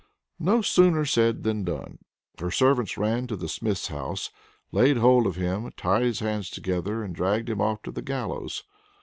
No sooner said than done. Her servants ran to the Smith's house, laid hold of him, tied his hands together, and dragged him off to the gallows.